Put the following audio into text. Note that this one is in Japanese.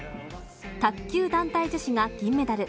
卓球団体女子が銀メダル。